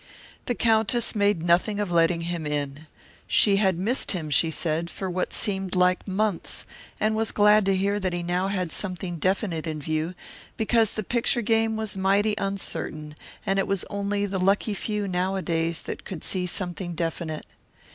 The Countess made nothing of letting him in. She had missed him, she said, for what seemed like months, and was glad to hear that he now had something definite in view, because the picture game was mighty uncertain and it was only the lucky few nowadays that could see something definite.